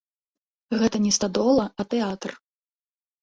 Гэта не стадола, а тэатр.